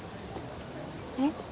えっ？